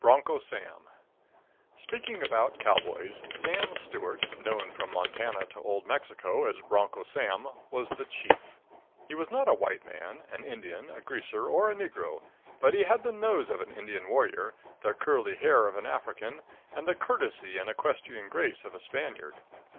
Broncho Sam. Speaking about cowboys, Sam Stewart, known from Montana to Old Mexico as Broncho Sam, was the chief. He was not a white man, an Indian, a greaser or a negro, but he had the nose of an Indian warrior, the curly hair of an African, and the courtesy and equestrian grace of a Spaniard.